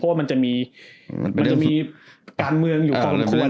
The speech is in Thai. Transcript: เพราะว่ามันจะมีมันจะมีการเมืองอยู่พอสมควร